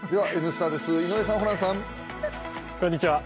「Ｎスタ」です、井上さん、ホランさん。